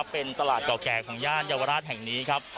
เป็นตลาดเก่าแก่ของย่านเยาวราชแห่งนี้ครับ